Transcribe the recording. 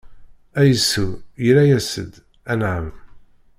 Ɛisu yerra-yas-d: Anɛam!